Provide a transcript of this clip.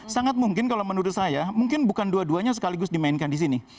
sangat mungkin kalau menurut saya mungkin bukan dua duanya sekaligus dimainkan di sini